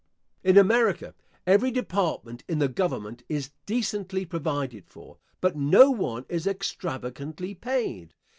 In America, every department in the government is decently provided for; but no one is extravagantly paid.